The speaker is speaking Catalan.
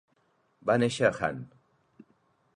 Va néixer a Hann.